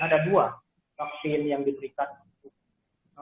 ada dua vaksin yang diterikan